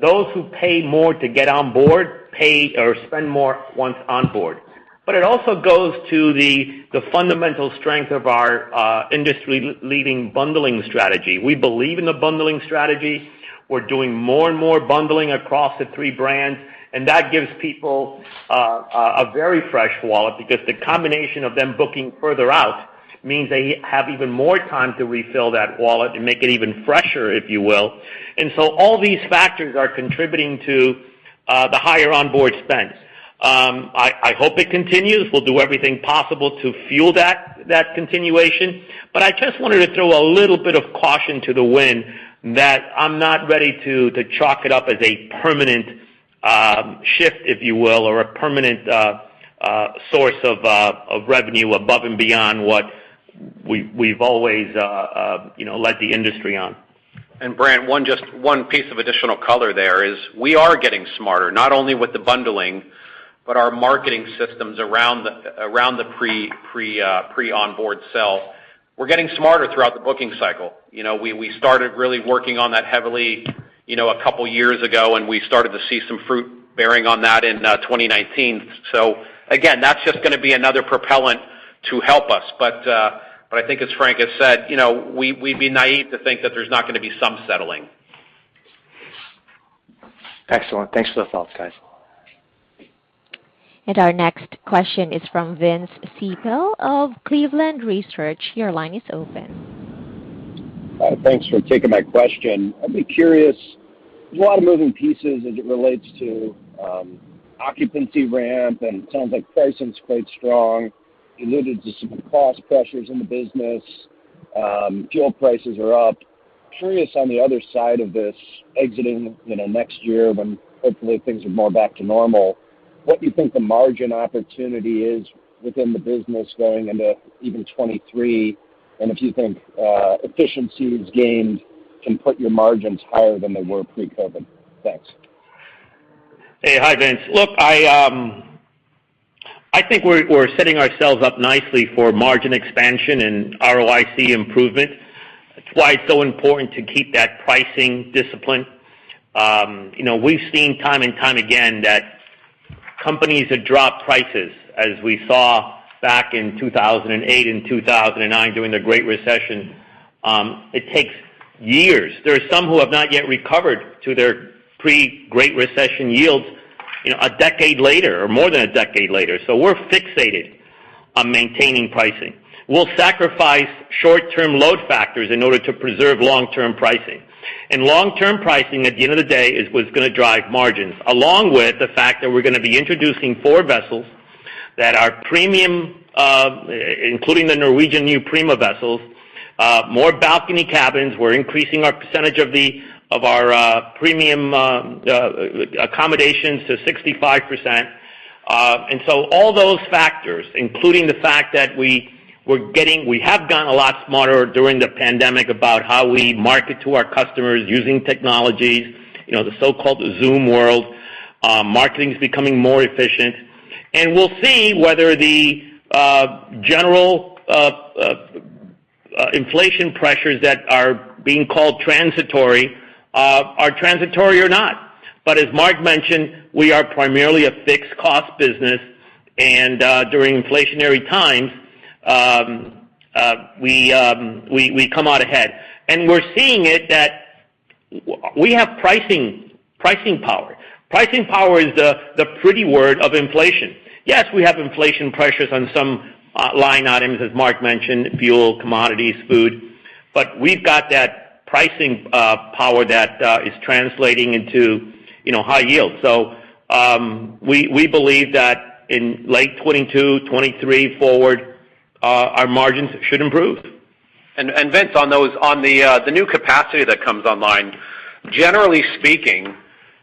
those who pay more to get on board pay or spend more once on board. But it also goes to the fundamental strength of our industry-leading bundling strategy. We believe in the bundling strategy. We're doing more and more bundling across the three brands, and that gives people a very fresh wallet because the combination of them booking further out means they have even more time to refill that wallet and make it even fresher, if you will. All these factors are contributing to the higher onboard spends. I hope it continues. We'll do everything possible to fuel that continuation. I just wanted to throw a little bit of caution to the wind that I'm not ready to chalk it up as a permanent shift, if you will, or a permanent source of revenue above and beyond what we've always, you know, led the industry on. Brandt, one, just one piece of additional color there is we are getting smarter, not only with the bundling, but our marketing systems around the pre-onboard sell. We're getting smarter throughout the booking cycle. We started really working on that heavily a couple years ago, and we started to see some fruit-bearing on that in 2019. Again, that's just gonna be another propellant to help us. I think as Frank Del Rio has said, we'd be naive to think that there's not gonna be some settling. Excellent. Thanks for the thoughts, guys. Our next question is from Vince Ciepiel of Cleveland Research. Your line is open. Thanks for taking my question. I'd be curious, there's a lot of moving pieces as it relates to, occupancy ramp, and it sounds like pricing's quite strong. You alluded to some cost pressures in the business. Fuel prices are up. Curious on the other side of this exiting, you know, next year when hopefully things are more back to normal, what you think the margin opportunity is within the business going into even 2023, and if you think, efficiencies gained can put your margins higher than they were pre-COVID. Thanks. Vince. Look, I think we're setting ourselves up nicely for margin expansion and ROIC improvement. That's why it's so important to keep that pricing discipline. You know, we've seen time and time again that companies that drop prices, as we saw back in 2008 and 2009 during the Great Recession, it takes years. There are some who have not yet recovered to their pre-Great Recession yields, you know, a decade later or more than a decade later. We're fixated on maintaining pricing. We'll sacrifice short-term load factors in order to preserve long-term pricing. Long-term pricing, at the end of the day, is what's gonna drive margins, along with the fact that we're gonna be introducing 4 vessels that are premium, including the Norwegian new Prima vessels, more balcony cabins. We're increasing our percentage of our premium accommodations to 65%. All those factors, including the fact that we have gotten a lot smarter during the pandemic about how we market to our customers using technologies, you know, the so-called Zoom world, marketing is becoming more efficient. We'll see whether the general inflation pressures that are being called transitory are transitory or not. As Mark mentioned, we are primarily a fixed cost business, and during inflationary times, we come out ahead. We're seeing it that we have pricing power. Pricing power is the pretty word of inflation. Yes, we have inflation pressures on some line items, as Mark mentioned, fuel, commodities, food, but we've got that pricing power that is translating into, you know, high yields. We believe that in late 2022, 2023 forward, our margins should improve. Vince, on the new capacity that comes online, generally speaking,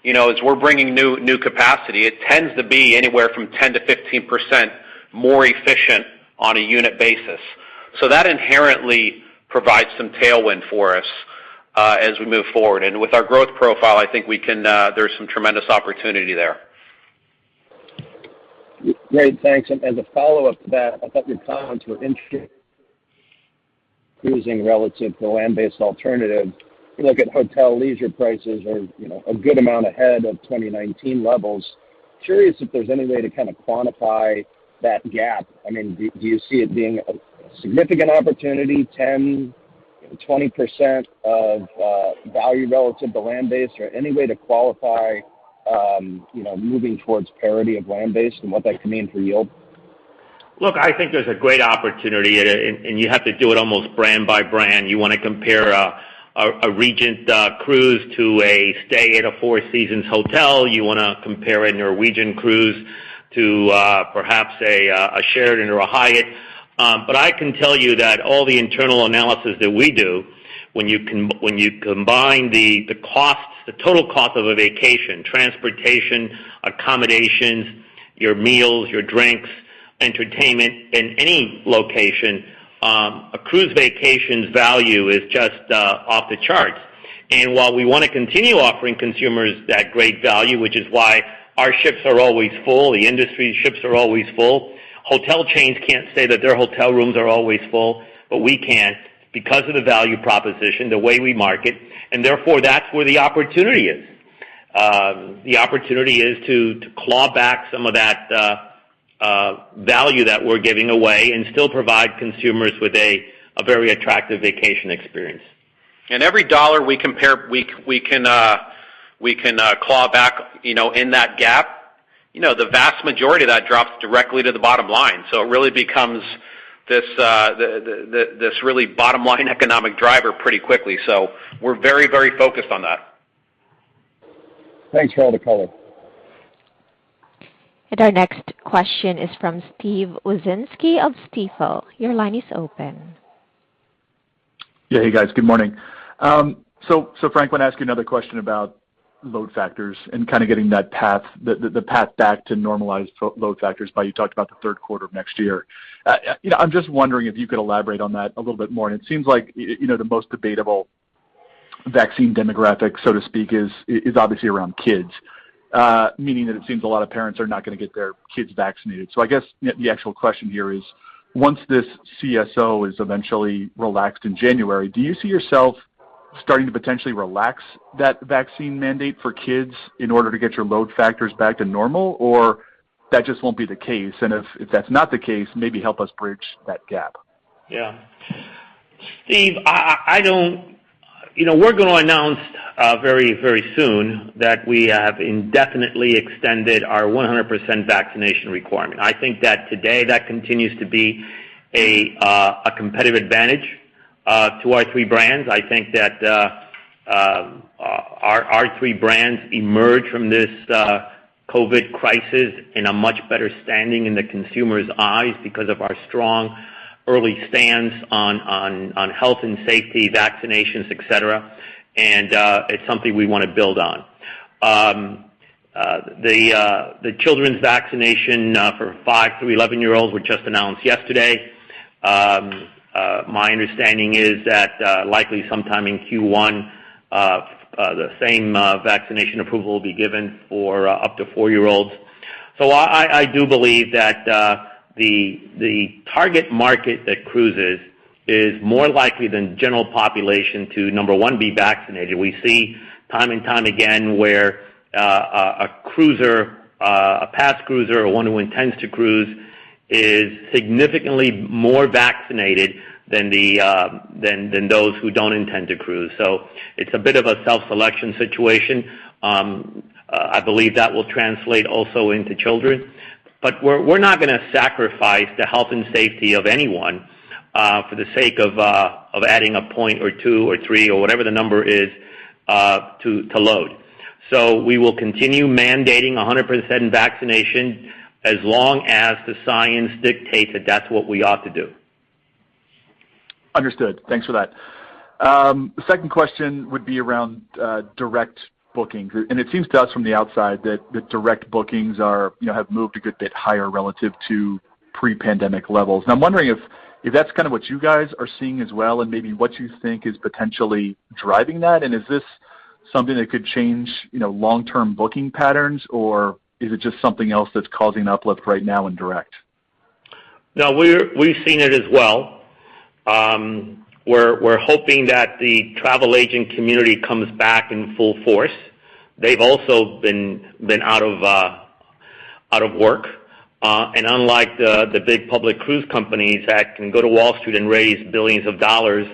you know, as we're bringing new capacity, it tends to be anywhere from 10-15% more efficient on a unit basis. So that inherently provides some tailwind for us as we move forward. With our growth profile, I think we can. There's some tremendous opportunity there. Great. Thanks. To follow up to that, I thought your comments were interesting cruising relative to land-based alternative. You look at hotel leisure prices are, you know, a good amount ahead of 2019 levels. Curious if there's any way to kind of quantify that gap. I mean, do you see it being a significant opportunity, 10, 20% of value relative to land-based, or any way to qualify, you know, moving towards parity of land-based and what that could mean for yield? Look, I think there's a great opportunity, and you have to do it almost brand by brand. You wanna compare a Regent cruise to a stay at a Four Seasons hotel. You wanna compare a Norwegian cruise to perhaps a Sheraton or a Hyatt. But I can tell you that all the internal analysis that we do when you combine the costs, the total cost of a vacation, transportation, accommodations, your meals, your drinks, entertainment in any location, a cruise vacation's value is just off the charts. While we wanna continue offering consumers that great value, which is why our ships are always full, the industry's ships are always full. Hotel chains can't say that their hotel rooms are always full, but we can because of the value proposition, the way we market, and therefore, that's where the opportunity is. The opportunity is to claw back some of that value that we're giving away and still provide consumers with a very attractive vacation experience. Every dollar we can claw back, you know, in that gap, you know, the vast majority of that drops directly to the bottom line. It really becomes this really bottom-line economic driver pretty quickly. We're very focused on that. Thanks for all the color. Our next question is from Steven Wieczynski of Stifel. Your line is open. Hey, guys. Good morning. So Frank, wanna ask you another question about load factors and kind of getting that path, the path back to normalized load factors, but you talked about the third quarter of next year. You know, I'm just wondering if you could elaborate on that a little bit more. It seems like you know, the most debatable vaccine demographic, so to speak, is obviously around kids, meaning that it seems a lot of parents are not gonna get their kids vaccinated. I guess the actual question here is, once this CSO is eventually relaxed in January, do you see yourself starting to potentially relax that vaccine mandate for kids in order to get your load factors back to normal, or that just won't be the case? If that's not the case, maybe help us bridge that gap.. Steve, you know, we're gonna announce very, very soon that we have indefinitely extended our 100% vaccination requirement. I think that today that continues to be a competitive advantage to our three brands. I think that our three brands emerge from this COVID crisis in a much better standing in the consumer's eyes because of our strong early stance on health and safety, vaccinations, et cetera. It's something we wanna build on. The children's vaccination for 5 through 11-year-olds were just announced yesterday. My understanding is that likely sometime in Q1 the same vaccination approval will be given for up to 4-year-olds. I do believe that the target market that cruises is more likely than general population to, number one, be vaccinated. We see time and time again where a cruiser, a past cruiser or one who intends to cruise is significantly more vaccinated than those who don't intend to cruise. It's a bit of a self-selection situation. I believe that will translate also into children. But we're not gonna sacrifice the health and safety of anyone for the sake of adding a point or two or three or whatever the number is to load. We will continue mandating 100% vaccination as long as the science dictates that that's what we ought to do. Understood. Thanks for that. The second question would be around direct bookings. It seems to us from the outside that the direct bookings, you know, have moved a good bit higher relative to pre-pandemic levels. I'm wondering if that's kind of what you guys are seeing as well, and maybe what you think is potentially driving that. Is this something that could change, you know, long-term booking patterns, or is it just something else that's causing an uplift right now in direct? No, we've seen it as well. We're hoping that the travel agent community comes back in full force. They've also been out of work. Unlike the big public cruise companies that can go to Wall Street and raise billions of dollars,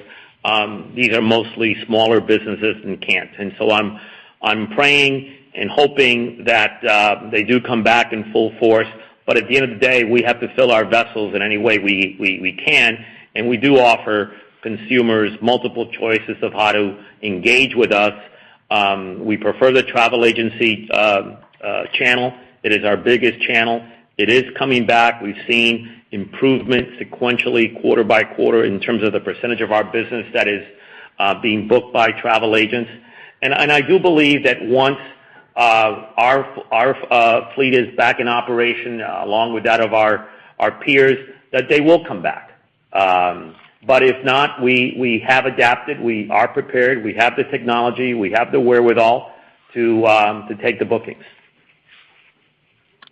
these are mostly smaller businesses and can't. I'm praying and hoping that they do come back in full force. At the end of the day, we have to fill our vessels in any way we can, and we do offer consumers multiple choices of how to engage with us. We prefer the travel agency channel. It is our biggest channel. It is coming back. We've seen improvement sequentially quarter by quarter in terms of the percentage of our business that is being booked by travel agents. I do believe that once our fleet is back in operation, along with that of our peers, that they will come back. If not, we have adapted, we are prepared, we have the technology, we have the wherewithal to take the bookings.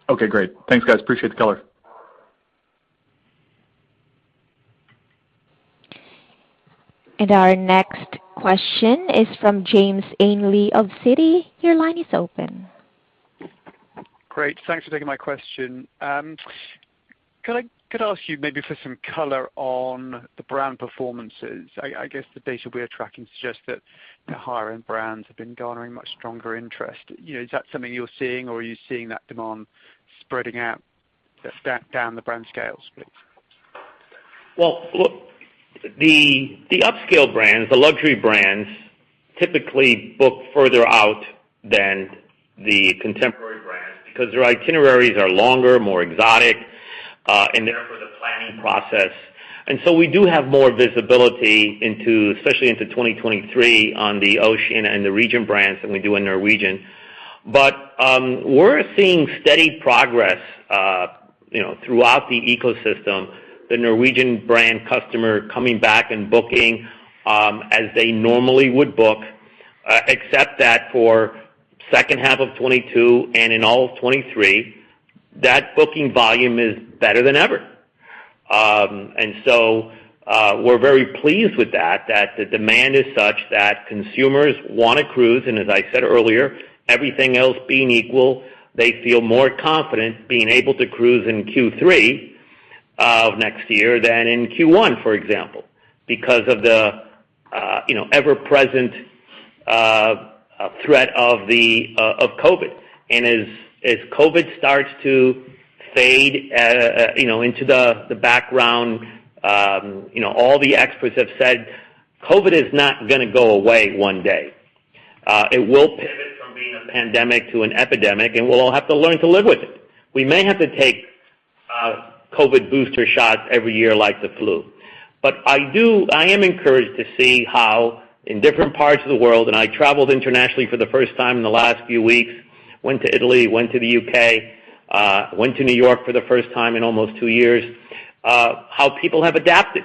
Okay, great. Thanks, guys. Appreciate the color. Our next question is from James Ainley of Citi. Your line is open. Great. Thanks for taking my question. Could I ask you maybe for some color on the brand performances? I guess the data we are tracking suggests that the higher-end brands have been garnering much stronger interest. You know, is that something you're seeing or are you seeing that demand spreading out down the brand scales, please? Well, look, the upscale brands, the luxury brands typically book further out than the contemporary brands because their itineraries are longer, more exotic, and therefore the planning process. We do have more visibility into, especially into 2023 on the Oceania and the Regent brands than we do in Norwegian. We're seeing steady progress, you know, throughout the ecosystem, the Norwegian brand customer coming back and booking as they normally would book, except that for second half of 2022 and in all of 2023, that booking volume is better than ever. We're very pleased with that the demand is such that consumers wanna cruise, and as I said earlier, everything else being equal, they feel more confident being able to cruise in Q3 of next year than in Q1, for example, because of the you know, ever-present threat of COVID. As COVID starts to fade you know into the background, you know, all the experts have said COVID is not gonna go away one day. It will pivot from being a pandemic to an epidemic, and we'll all have to learn to live with it. We may have to take COVID booster shots every year like the flu. I am encouraged to see how in different parts of the world, and I traveled internationally for the first time in the last few weeks, went to Italy, went to the U.K., went to New York for the first time in almost two years, how people have adapted.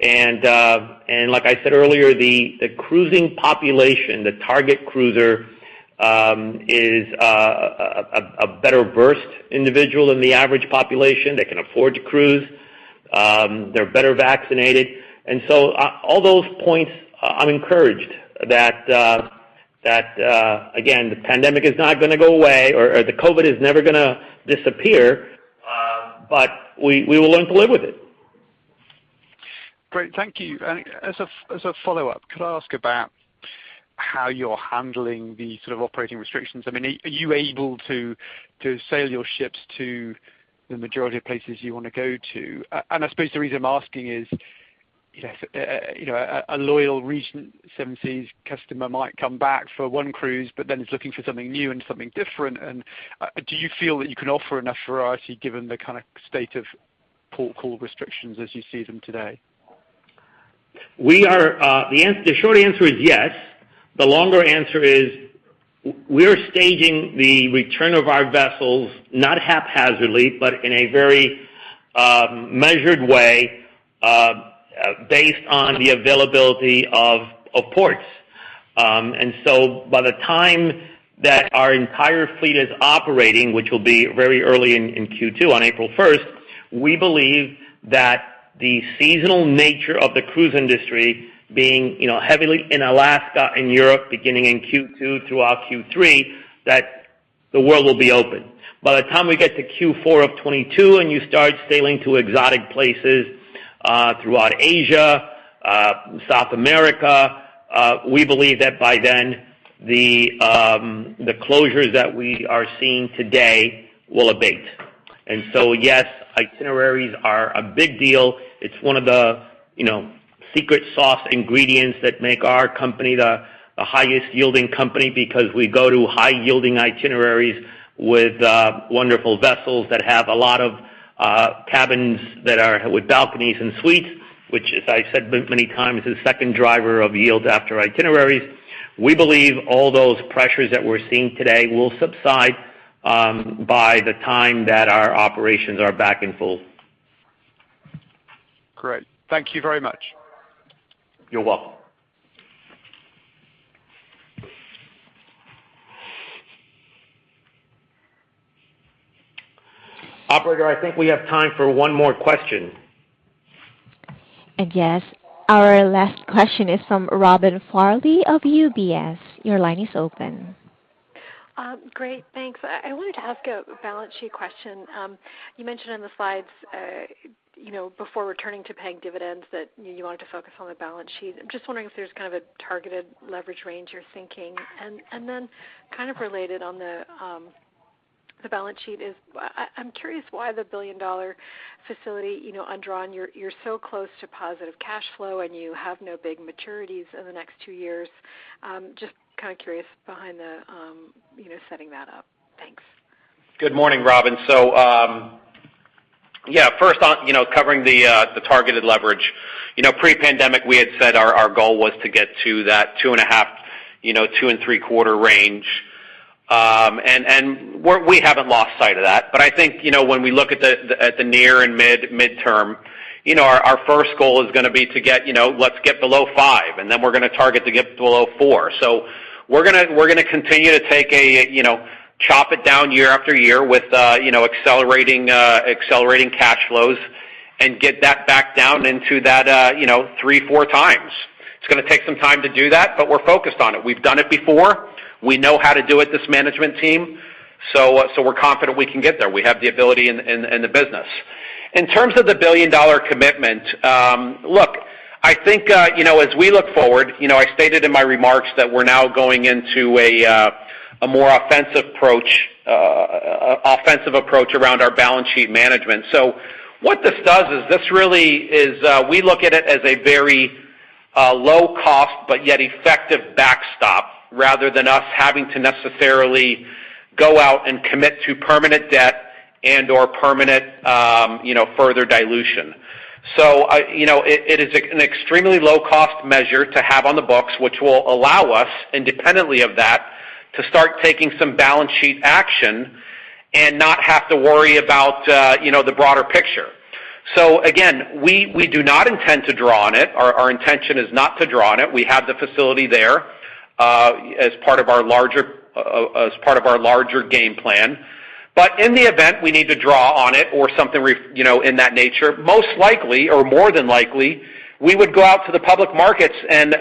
Like I said earlier, the cruising population, the target cruiser, is a better versed individual than the average population. They can afford to cruise. They're better vaccinated. All those points, I'm encouraged that again, the pandemic is not gonna go away or the COVID is never gonna disappear, but we will learn to live with it. Great. Thank you. As a follow-up, could I ask about how you're handling the sort of operating restrictions? I mean, are you able to sail your ships to the majority of places you wanna go to? I suppose the reason I'm asking is, you know, a loyal Regent Seven Seas customer might come back for one cruise, but then is looking for something new and something different. Do you feel that you can offer enough variety given the kind of state of port call restrictions as you see them today? The short answer is yes. The longer answer is we're staging the return of our vessels, not haphazardly, but in a very measured way, based on the availability of ports. By the time that our entire fleet is operating, which will be very early in Q2 on April 1, we believe that the seasonal nature of the cruise industry being, you know, heavily in Alaska and Europe, beginning in Q2 throughout Q3, that the world will be open. By the time we get to Q4 of 2022, and you start sailing to exotic places throughout Asia, South America, we believe that by then, the closures that we are seeing today will abate. Yes, itineraries are a big deal. It's one of the, you know, secret sauce ingredients that make our company the highest-yielding company because we go to high-yielding itineraries with wonderful vessels that have a lot of cabins that are with balconies and suites, which, as I said many times, is the second driver of yields after itineraries. We believe all those pressures that we're seeing today will subside by the time that our operations are back in full. Great. Thank you very much. You're welcome. Operator, I think we have time for one more question. Yes, our last question is from Robin Farley of UBS. Your line is open. Great. Thanks. I wanted to ask a balance sheet question. You mentioned in the slides, you know, before returning to paying dividends, that you wanted to focus on the balance sheet. I'm just wondering if there's kind of a targeted leverage range you're seeking, and then kind of related on the balance sheet, I'm curious why the billion-dollar facility, you know, undrawn. You're so close to positive cash flow, and you have no big maturities in the next two years. Just kinda curious behind the, you know, setting that up. Thanks. Good morning, Robin, first on, you know, covering the targeted leverage. You know, pre-pandemic, we had said our goal was to get to that 2.5, you know, 2 and 3 range. We haven't lost sight of that. I think, you know, when we look at the near and mid, midterm, you know, our first goal is gonna be to get, you know, let's get below 5, and then we're gonna target to get below 4. We're gonna continue to take a, you know, chop it down year after year with, you know, accelerating cash flows and get that back down into that, you know, 3-4 times. It's gonna take some time to do that, but we're focused on it. We've done it before. We know how to do it, this management team. We're confident we can get there. We have the ability and the business. In terms of the 1 billion commitment, look, I think, you know, as we look forward, you know, I stated in my remarks that we're now going into a more offensive approach around our balance sheet management. What this does is we look at it as a very low cost, but yet effective backstop rather than us having to necessarily go out and commit to permanent debt and/or permanent, you know, further dilution. It is an extremely low-cost measure to have on the books, which will allow us, independently of that, to start taking some balance sheet action and not have to worry about, you know, the broader picture. Again, we do not intend to draw on it. Our intention is not to draw on it. We have the facility there, as part of our larger game plan. In the event we need to draw on it or something, you know, in that nature, most likely or more than likely, we would go out to the public markets and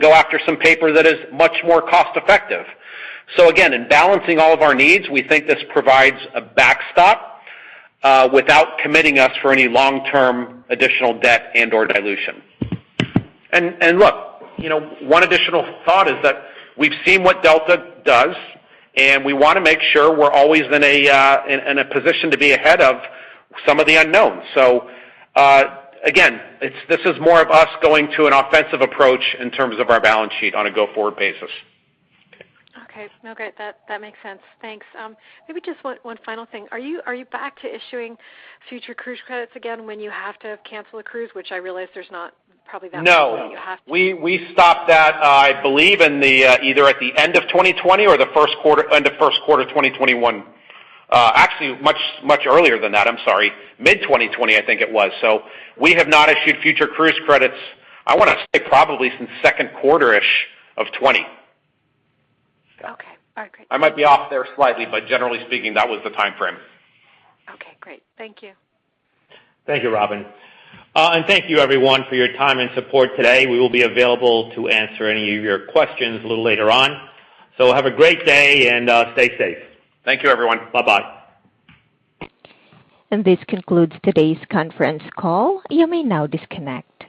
go after some paper that is much more cost-effective. Again, in balancing all of our needs, we think this provides a backstop without committing us for any long-term additional debt and/or dilution. And look, you know, one additional thought is that we've seen what Delta does, and we wanna make sure we're always in a position to be ahead of some of the unknowns. Again, this is more of us going to an offensive approach in terms of our balance sheet on a go-forward basis. Okay. No, great. That makes sense. Thanks. Maybe just one final thing. Are you back to issuing future cruise credits again when you have to cancel a cruise, which I realize there's probably not that many No. You have to. We stopped that, I believe either at the end of 2020 or the end of the first quarter 2021. Actually much earlier than that, I'm sorry. Mid-2020, I think it was. We have not issued future cruise credits, I wanna say probably since second quarter-ish of 2020. Okay. All right, great. I might be off there slightly, but generally speaking, that was the timeframe. Okay, great. Thank you. Thank you, Robin. Thank you everyone for your time and support today. We will be available to answer any of your questions a little later on. Have a great day and stay safe. Thank you, everyone. Bye-bye. This concludes today's conference call. You may now disconnect.